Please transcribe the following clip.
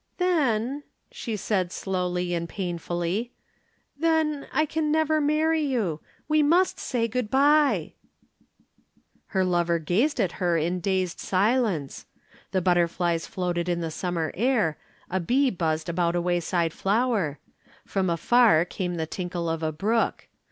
"Then," she said slowly and painfully, "then I can never marry you. We must say 'good bye.'" Her lover gazed at her in dazed silence. The butterflies floated in the summer air, a bee buzzed about a wayside flower, from afar came the tinkle of a brook.